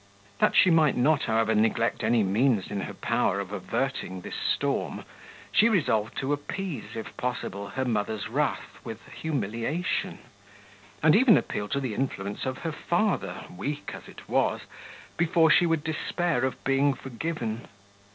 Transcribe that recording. That she might not, however, neglect any means in her power of averting this storm, she resolved to appease, if possible, her mother's wrath with humiliation, and even appeal to the influence of her father, weak as it was, before she would despair of being forgiven.